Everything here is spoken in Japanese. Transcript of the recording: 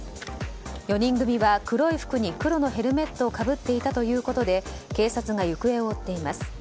４人組は黒い服に黒のヘルメットをかぶっていたということで警察が行方を追っています。